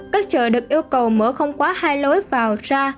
các chợ được yêu cầu mở không quá hai lối vào ra